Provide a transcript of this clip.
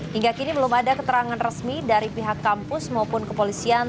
hingga kini belum ada keterangan resmi dari pihak kampus maupun kepolisian